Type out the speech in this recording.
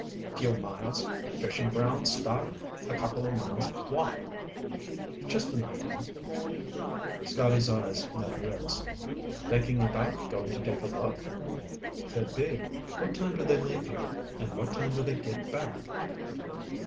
"Few miles. Fishing grounds start a couple of miles out. Why?" "Just an idea." Scotty's eyes met Rick's. "Thinking about going to take a look?" "Could be. What time do they leave here, and what time do they get back?"